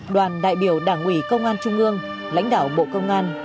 đoàn đại biểu đảng ủy công an trung ương lãnh đạo bộ công an